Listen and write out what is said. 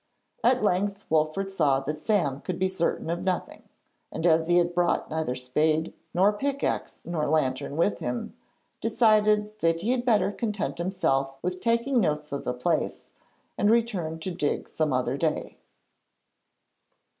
At length Wolfert saw that Sam could be certain of nothing, and as he had brought neither spade nor pickaxe nor lantern with him, decided that he had better content himself with taking notes of the place, and return to dig some other day.